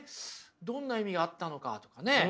どんな意味があったのか」とかね